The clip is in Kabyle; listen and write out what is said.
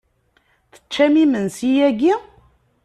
Teččam imensi yagi?